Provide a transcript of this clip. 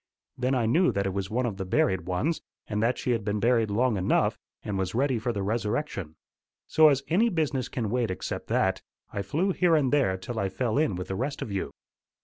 Then I knew that it was one of the buried ones, and that she had been buried long enough, and was ready for the resurrection. So as any business can wait except that, I flew here and there till I fell in with the rest of you.